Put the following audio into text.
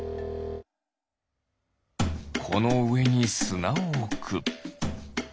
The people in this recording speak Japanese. このうえにすなをおく。